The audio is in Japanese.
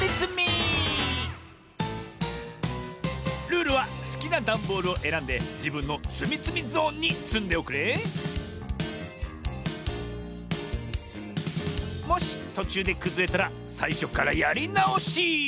ルールはすきなダンボールをえらんでじぶんのつみつみゾーンにつんでおくれもしとちゅうでくずれたらさいしょからやりなおし！